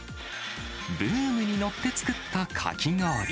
ブームに乗って作ったかき氷。